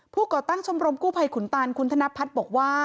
ก่อตั้งชมรมกู้ภัยขุนตันคุณธนพัฒน์บอกว่า